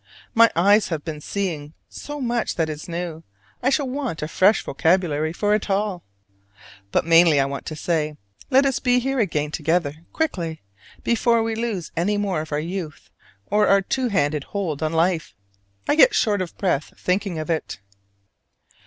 My eyes have been seeing so much that is new, I shall want a fresh vocabulary for it all. But mainly I want to say, let us be here again together quickly, before we lose any more of our youth or our two handed hold on life. I get short of breath thinking of it!